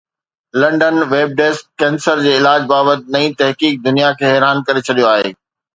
London (web desk) cancer جي علاج بابت نئين تحقيق دنيا کي حيران ڪري ڇڏيو آهي